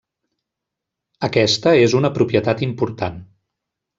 Aquesta és una propietat important.